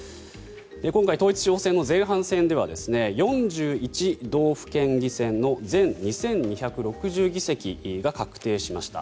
今回統一地方選の前半戦では４１道府県議選の全２２６０議席が確定しました。